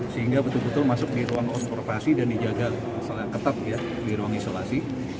sehingga betul betul masuk di ruang transportasi dan dijaga ketat ya di ruang isolasi